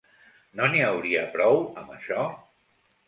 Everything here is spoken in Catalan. No n’hi hauria prou amb això?